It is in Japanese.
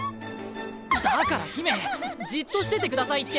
だから姫じっとしててくださいって！